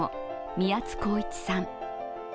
宮津航一さん。